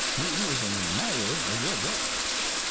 He is an admirer of your books."